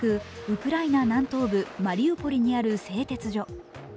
ウクライナ南東部マリウポリにある製鉄所。